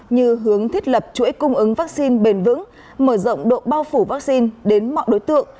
như hướng thiết lập chuỗi cung ứng vaccine bền vững mở rộng độ bao phủ vaccine đến mọi đối tượng